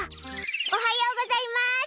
おはようございます！